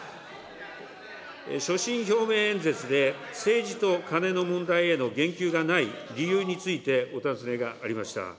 所信表明演説で、政治とカネの問題への言及がない理由についてお尋ねがありました。